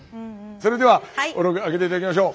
それでは小野くん開けて頂きましょう。